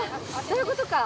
そういうことか。